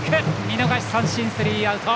見逃し三振、スリーアウト。